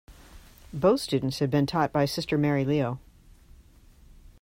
Both students had been taught by Sister Mary Leo.